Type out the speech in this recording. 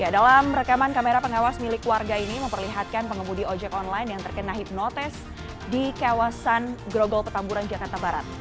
dalam rekaman kamera pengawas milik warga ini memperlihatkan pengemudi ojek online yang terkena hipnotes di kawasan grogol petamburan jakarta barat